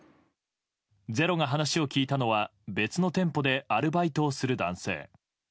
「ｚｅｒｏ」が話を聞いたのは別の店舗でアルバイトをする男性。